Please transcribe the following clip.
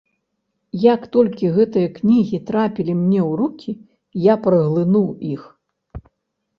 Як толькі гэтыя кнігі трапілі мне ў рукі, я праглынуў іх.